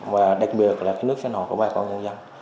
và đặc biệt là nước sinh hồn của bà con nhân dân